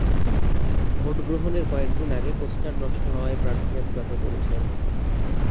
Vote গ্রহণের কয়েক দিন আগে পোস্টার নষ্ট হওয়ায় প্রার্থীরা বিপাকে পড়েছেন।